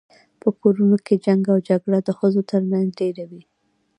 په کورونو کي جنګ او جګړه د ښځو تر منځ ډیره وي